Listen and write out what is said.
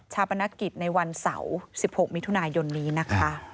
ปนกิจในวันเสาร์๑๖มิถุนายนนี้นะคะ